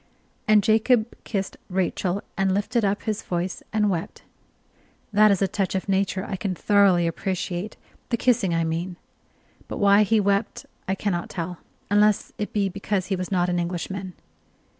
And Jacob kissed Rachel, and lifted up his voice and wept. That is a touch of nature I can thoroughly appreciate the kissing, I mean; but why he wept I cannot tell, unless it be because he was not an Englishman.